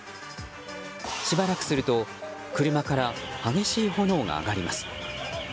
しばらくすると車から激しい炎が上がります。